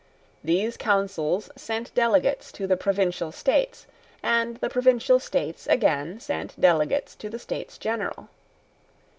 These councils sent delegates to the Provincial States, and the Provincial States again sent delegates to the States General.